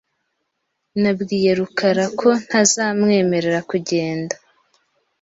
Nabwiye rukara ko ntazamwemerera kugenda .